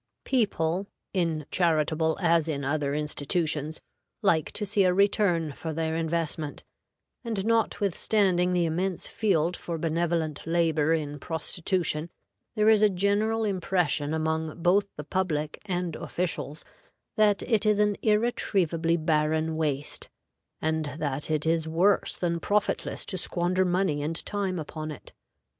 People, in charitable as in other institutions, like to see a return for their investment; and, notwithstanding the immense field for benevolent labor in prostitution, there is a general impression among both the public and officials that it is an irretrievably barren waste, and that it is worse than profitless to squander money and time upon it.